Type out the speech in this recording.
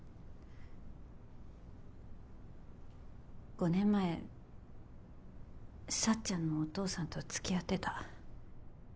５年前幸ちゃんのお父さんと付き合ってた。